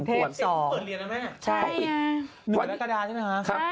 ภูเทศต้องเปิดเรียนนะแม่ต้องปิดใช่นึกได้กระดาษใช่ไหมคะ